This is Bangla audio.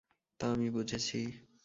তা আমি বুঝেছি।